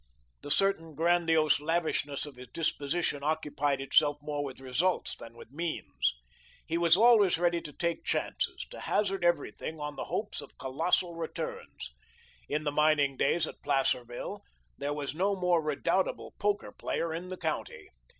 The certain grandiose lavishness of his disposition occupied itself more with results than with means. He was always ready to take chances, to hazard everything on the hopes of colossal returns. In the mining days at Placerville there was no more redoubtable poker player in the county.